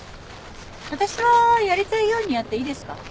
私はやりたいようにやっていいですか？